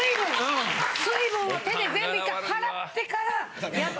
水分を手で全部１回はらってからやと。